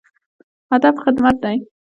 هدف خدمت دی